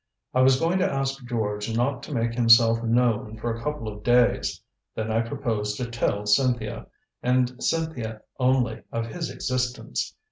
I was going to ask George not to make himself known for a couple of days. Then I proposed to tell Cynthia, and Cynthia only, of his existence.